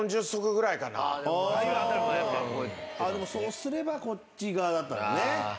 そうすればこっち側だったんだね。